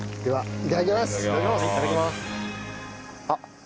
いただきます。